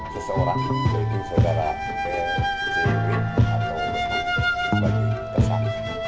seseorang yaitu saudara cikgu atau bagi kita sama